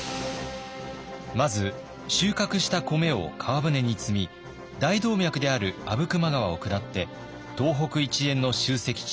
まず収穫した米を川船に積み大動脈である阿武隈川を下って東北一円の集積地